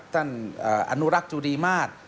ท่านอนุรักษ์จุดีมาตร